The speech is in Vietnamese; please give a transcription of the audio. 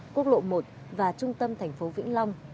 quốc lộ một và trung tâm thành phố vĩnh long